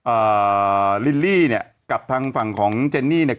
อ่าลิลลี่เนี่ยกับทางฝั่งของเจนนี่เนี่ย